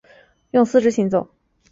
用四肢行走。